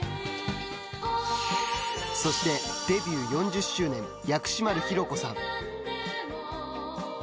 そして、デビュー４０周年薬師丸ひろ子さん。